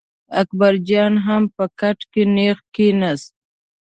اکبر جان هم په کټ کې نېغ کېناست.